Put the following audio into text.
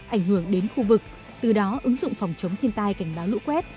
ảnh hưởng đến khu vực từ đó ứng dụng phòng chống thiên tai cảnh báo lũ quét